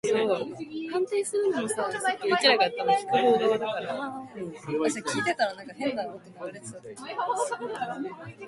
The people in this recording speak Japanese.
「急がば回れ」って言うし、ここは焦らず慎重に行動しようか。